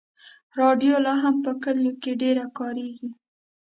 راډیو لا هم په کلیو کې ډېره کارېږي.